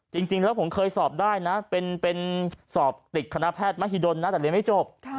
จริงแล้วผมเคยสอบได้นะเป็นสอบติดคณะแพทย์มหิดลนะแต่เรียนไม่จบ